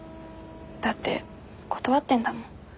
だって断ってんだもん。